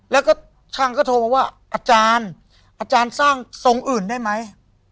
แล้วก็ช่างก็โทรมาว่าอาจารย์อาจารย์สร้างทรงอื่นได้ไหม